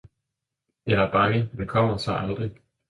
Jeg er bange han kommer sig aldrig.